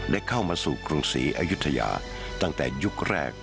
เข้ามาสู่กรุงศรีอายุทยาตั้งแต่ยุคแรก